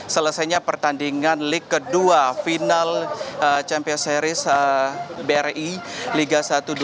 selesainya pertandingan league ke dua final champions series bri liga satu dua ribu dua puluh tiga